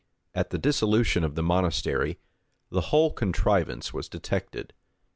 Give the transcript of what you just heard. At the dissolution of the monastery, the whole contrivance was detected.